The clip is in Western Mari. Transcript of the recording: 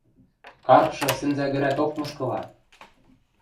Карпшы сӹнзӓгӹрӓток мыскыла: